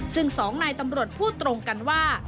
ซึ่งสองนายตำรวจพูดตรงกันว่า